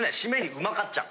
うまかっちゃん！？